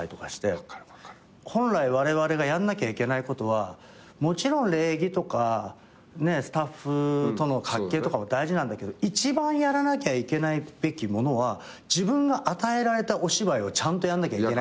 本来われわれがやんなきゃいけないことはもちろん礼儀とかスタッフとの関係とかも大事なんだけど一番やらなきゃいけないものは自分が与えられたお芝居をちゃんとやんなきゃいけない。